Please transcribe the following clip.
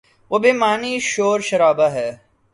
وہ بے معنی شور شرابہ ہے۔